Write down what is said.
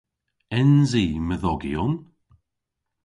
Ens i medhogyon?